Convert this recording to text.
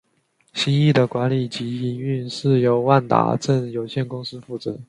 新翼的管理及营运是由万达镇有限公司负责。